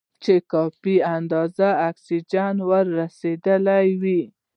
چې کافي اندازه اکسیجن ور رسېدلی وي.